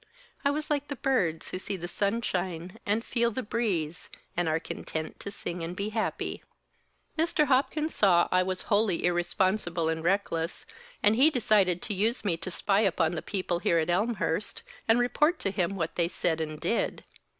I was like the birds who see the sunshine and feel the breeze and are content to sing and be happy. "Mr. Hopkins saw I was wholly irresponsible and reckless, and he decided to use me to spy upon the people here at Elmhurst and report to him what they said and did.